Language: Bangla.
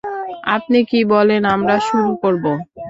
আপনি কি বলেন আমরা শুরু করব?